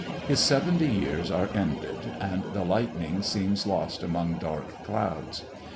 His seventy years are ended, and the lightning seems lost among dark clouds.